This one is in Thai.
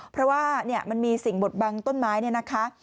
เพราะว่ามันมีสิ่งบดบังต้นไม้เนี่ยนะคะ